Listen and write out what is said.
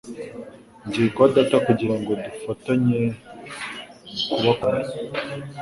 Ngiye kwa Data kugira ngo dufatanye kubakorera.